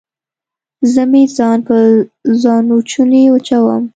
زه مې ځان په ځانوچوني وچوم